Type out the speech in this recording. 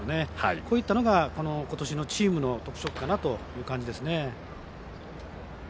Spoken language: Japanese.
こういったのが今年のチームの特色だと感じますね。